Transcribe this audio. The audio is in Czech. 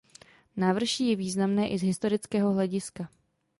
Návrší je významné i z historického hlediska.